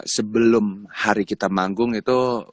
sebelum hari kita manggung itu